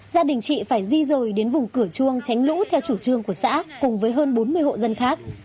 gia đình chị phải di rời đến vùng cửa chuông tránh lũ theo chủ trương của xã cùng với hơn bốn mươi hộ dân khác